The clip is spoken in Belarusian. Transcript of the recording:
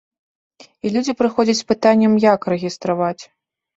І людзі прыходзяць з пытаннем, як рэгістраваць.